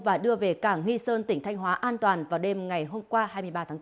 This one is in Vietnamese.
và đưa về cảng nghi sơn tỉnh thanh hóa an toàn vào đêm ngày hôm qua hai mươi ba tháng bốn